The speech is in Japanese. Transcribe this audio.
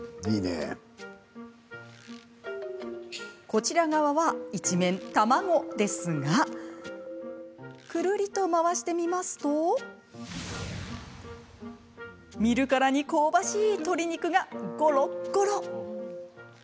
こちら側は一面、卵ですがくるりと回してみますと見るからに香ばしい鶏肉がゴロッゴロ。